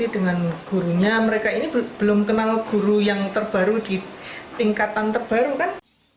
dan gurunya mereka ini belum kenal guru yang terbaru di tingkatan terbaru kan